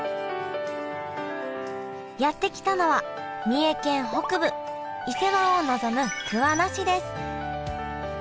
やって来たのは三重県北部伊勢湾を臨む桑名市です。